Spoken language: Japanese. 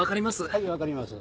はい分かります。